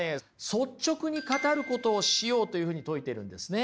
率直に語ることをしようというふうに説いてるんですね。